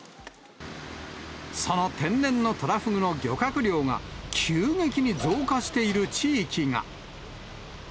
その天然のトラフグの漁獲量が急激に増加している地域が。